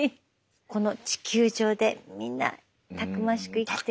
この地球上でみんなたくましく生きてる。